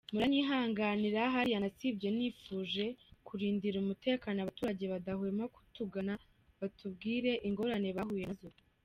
Muranyihanganira hariya nasibye nifuje kurindira umutekano abaturage badahwema kutugana batubwira ingorane bahuye nazo.